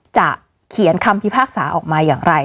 จะเขียนคำพิพากษาออกมาอย่างไร